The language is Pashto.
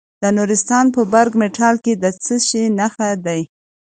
د نورستان په برګ مټال کې د څه شي نښې دي؟